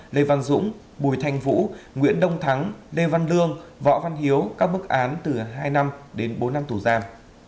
lê văn dũng bùi thanh vũ nguyễn đông thắng lê văn lương võ văn hiếu các bức án từ hai năm đến bốn năm tù giam